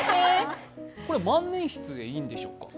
万年筆でいいんでしょうか？